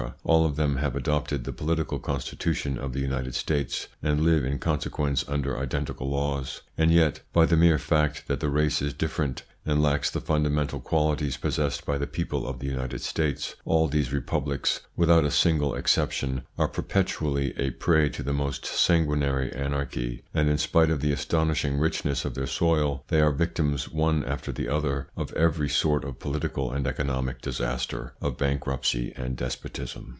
All of them have adopted the political constitution of the United States, and live in consequence under identical laws. And yet, by the mere fact that the race is different and lacks the fundamental qualities possessed by the people of the United States, all these republics, without a single exception, are perpetually a prey to the most sanguinary anarchy, and in spite of the astonishing richness of their soil they are victims one after the other of every sort of political and economic disaster, of bankruptcy and despotism.